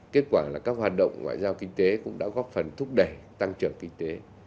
kết quả là các hoạt động ngoại giao kinh tế cũng đã góp phần thúc đẩy tăng trưởng kinh tế